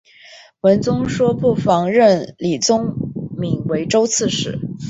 文宗说不妨任李宗闵为州刺史。